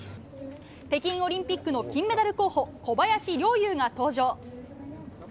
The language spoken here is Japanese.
北京オリンピックの金メダル候補小林陵侑が登場。